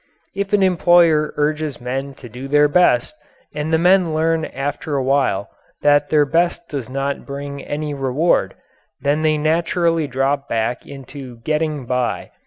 If an employer urges men to do their best, and the men learn after a while that their best does not bring any reward, then they naturally drop back into "getting by."